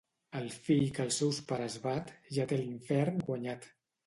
El fill que els seus pares bat, ja té l'infern guanyat.